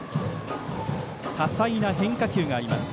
多彩な変化球があります。